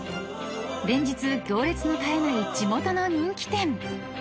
［連日行列の絶えない地元の人気店］